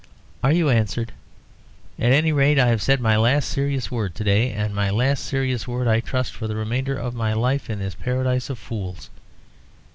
Are you answered? At any rate, I have said my last serious word to day, and my last serious word I trust for the remainder of my life in this Paradise of Fools.